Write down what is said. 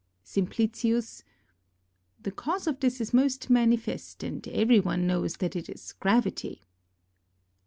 SiMPLicius. The cause of this is most manifest, and every one knows that it is gravity.